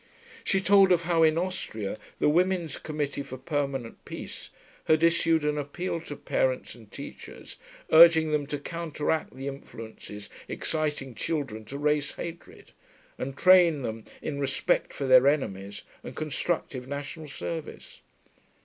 She told of how in Austria the Women's Committee for Permanent Peace had issued an appeal to parents and teachers urging them to counteract the influences exciting children to race hatred, and train them in respect for their enemies and constructive national service.